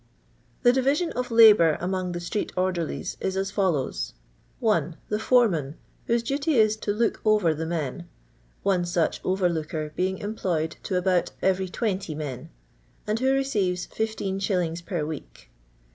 The diwision of Uibaur among the street order lies is as folio w« :— 1. The fortman, whose duty is to " look over the men (one such over looker being employed to about erery 20 men), and who receives 1 5s. per week.